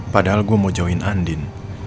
padahal gue mau join andin